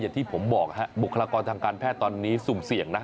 ที่ผมบอกบุคลากรทางการแพทย์ตอนนี้สุ่มเสี่ยงนะ